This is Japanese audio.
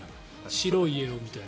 白い家をみたいな。